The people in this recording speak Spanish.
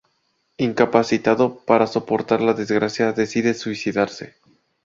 Incapacitado para soportar la desgracia, decide suicidarse.